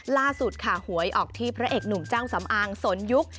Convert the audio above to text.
ล่าสุดค่ะหวยออกที่พระเอกหนุ่มเจ้าสำอางสนยุค